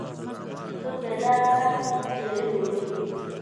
څوک بیا دا کار جعل بولي.